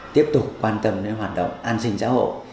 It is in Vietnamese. tiếp tục quan tâm đến hoạt động an sinh xã hội